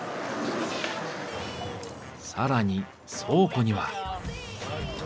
更に倉庫には。